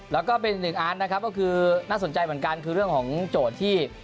แล้วก็เป็นอีกหนึ่งอันนะครับก็คือน่าสนใจเหมือนกันคือเรื่องของโจทย์ที่